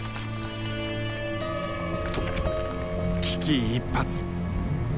危機一髪。